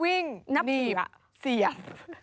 วิ่งหนีบเสียบ